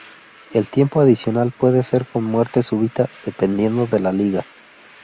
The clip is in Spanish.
El tiempo adicional puede ser con muerte súbita, dependiendo de la liga.